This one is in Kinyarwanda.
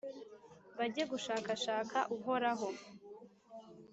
bajye gushakashaka Uhoraho,